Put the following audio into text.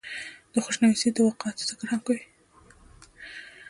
دَخوشنويسۍ دَواقعاتو ذکر هم کوي ۔